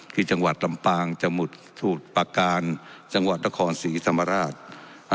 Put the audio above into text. ที่จังหวัดลำปางสมุดปากกานนครศรีธรรมราช